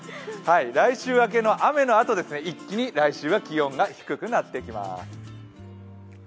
来週開けの雨のあと、一気に来週は気温が低くなってきます。